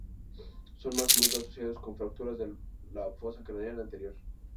Son más a menudo asociados con fracturas del fosa craneal anterior.